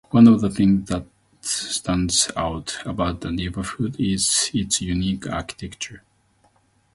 One of the things that stands out about my neighborhood is its unique architecture.